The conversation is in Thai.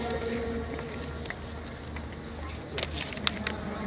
จงสลิขิตดัง